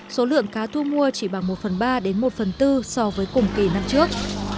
số lượng cá thu mua chỉ bằng một phần ba đến một phần tư so với cùng kỳ năm trước